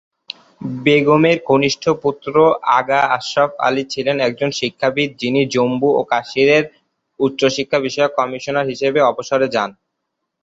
বেগমের কনিষ্ঠ পুত্র আগা আশরাফ আলী ছিলেন একজন শিক্ষাবিদ যিনি জম্মু ও কাশ্মীরের উচ্চশিক্ষা বিষয়ক কমিশনার হিসাবে অবসরে যান।